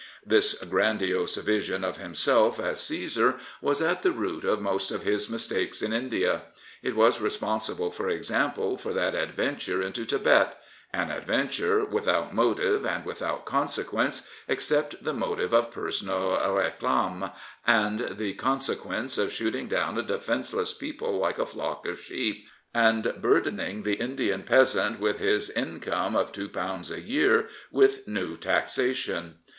This grandiose vision of himself as Caesar was at the root of most of his mistakes in India. It was responsible, for example, for that adventure into Tibet — an adventure without motive and without consequence, except the motive of personal rdclame, and the consequence of shooting down a defenceless people like a flock of sheep, and burdening the Indian peasant, with his income of £2 a year, with new taxa tion.